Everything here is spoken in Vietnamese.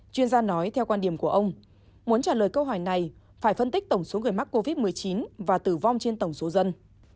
chuyên gia nói theo quan điểm của ông muốn trả lời câu hỏi này phải phân tích tổng số người mắc covid một mươi chín và tử vong trên tổng số dân